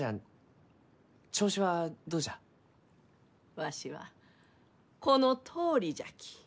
わしはこのとおりじゃき。